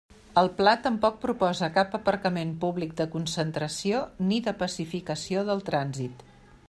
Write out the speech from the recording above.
El Pla tampoc proposa cap aparcament públic de concentració ni de pacificació del trànsit.